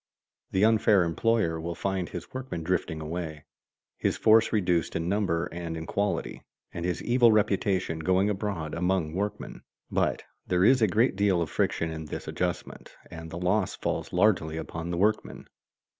The unfair employer will find his workmen drifting away, his force reduced in number and quality, and his evil reputation going abroad among workmen. But there is a great deal of friction in this adjustment and the loss falls largely upon the workman.